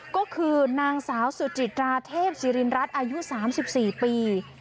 ก็คือนางสาวสุจิตราเทพศิรินรัฐอายุ๓๔ปี